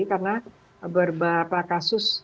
karena berapa kasus